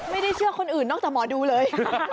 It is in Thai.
ไม่ได้เชื่อคนอื่นนอกจากหมอดูเลย